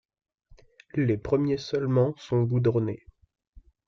Les premiers seulement sont goudronnés.